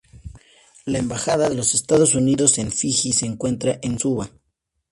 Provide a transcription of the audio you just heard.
La Embajada de los Estados Unidos en Fiji se encuentra en Suva.